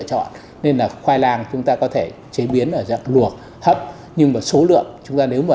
chọn nên là khoai lang chúng ta có thể chế biến ở dạng luộc thấp nhưng mà số lượng chúng ta nếu mà